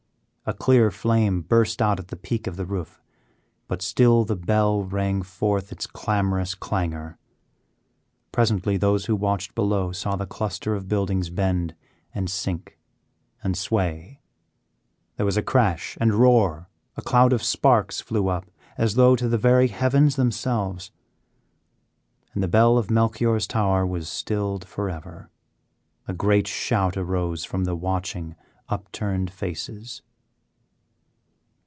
A clear flame burst out at the peak of the roof, but still the bell rang forth its clamorous clangor. Presently those who watched below saw the cluster of buildings bend and sink and sway; there was a crash and roar, a cloud of sparks flew up as though to the very heavens themselves, and the bell of Melchior's tower was stilled forever. A great shout arose from the watching, upturned faces.